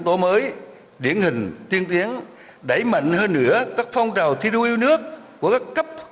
tố mới điển hình tiên tiến đẩy mạnh hơn nữa các phong trào thi đua yêu nước của các cấp